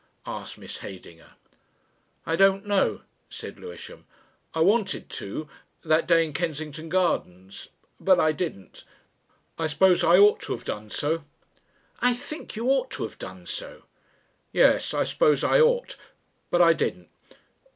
asked Miss Heydinger. "I don't, know," said Lewisham. "I wanted to that day, in Kensington Gardens. But I didn't. I suppose I ought to have done so." "I think you ought to have done so." "Yes, I suppose I ought ... But I didn't.